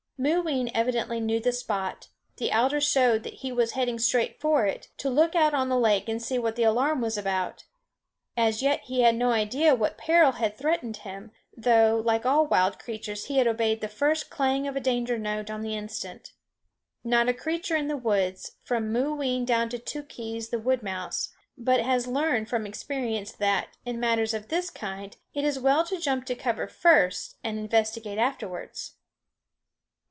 Mooween evidently knew the spot; the alders showed that he was heading straight for it, to look out on the lake and see what the alarm was about. As yet he had no idea what peril had threatened him; though, like all wild creatures, he had obeyed the first clang of a danger note on the instant. Not a creature in the woods, from Mooween down to Tookhees the wood mouse, but has learned from experience that, in matters of this kind, it is well to jump to cover first and investigate afterwards.